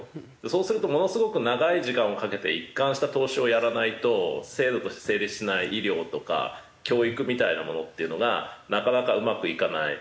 そうするとものすごく長い時間をかけて一貫した投資をやらないと制度として成立しない医療とか教育みたいなものっていうのがなかなかうまくいかない。